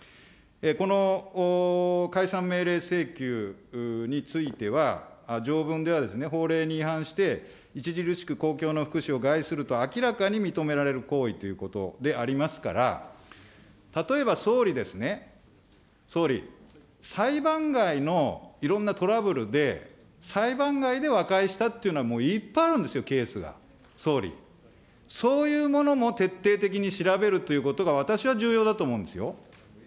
この解散命令請求については、条文では法令に違反して著しく公共の福祉を害すると明らかに認められる行為ということでありますから、例えば総理ですね、総理、裁判外のいろんなトラブルで、裁判外で和解したというのは、もういっぱいあるんですよ、ケースが、総理、そういうものも徹底的に調べるということが、私は重要だと思うんですよ。